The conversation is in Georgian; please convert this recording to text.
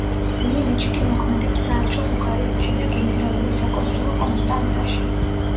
რუმინეთში კი მოქმედებს საელჩო ბუქარესტში და გენერალური საკონსულო კონსტანცაში.